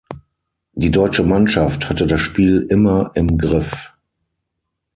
Die deutsche Mannschaft hatte das Spiel immer im Griff.